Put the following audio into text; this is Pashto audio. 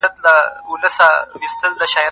زدکړه عمر نه لري.